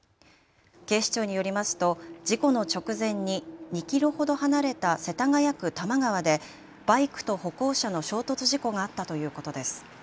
警視庁によりますと事故の直前に２キロほど離れた世田谷区玉川でバイクと歩行者の衝突事故があったということです。